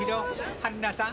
春菜さん。